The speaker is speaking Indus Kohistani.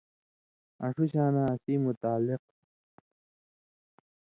آں ݜُو شاناں اسیں متعلق